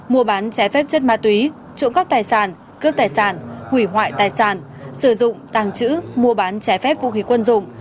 mua bán trái phép chất ma túy trộm cắp tài sản cướp tài sản hủy hoại tài sản sử dụng tàng trữ mua bán trái phép vũ khí quân dụng